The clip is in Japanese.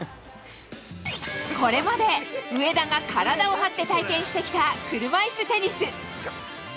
これまで上田が体を張って体験してきた車いすテニス。